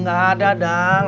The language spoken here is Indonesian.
nggak ada dadang